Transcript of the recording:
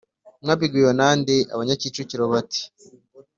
« mwabibwiwe na nde?» abanyakicukiro bati: